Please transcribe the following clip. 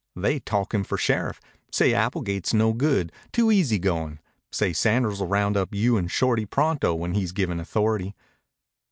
"They talk him for sheriff. Say Applegate's no good too easy going. Say Sanders'll round up you an' Shorty pronto when he's given authority."